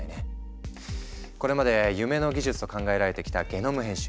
これまで夢の技術と考えられてきたゲノム編集。